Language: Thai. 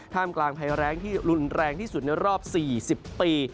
มกลางภัยแรงที่รุนแรงที่สุดในรอบ๔๐ปี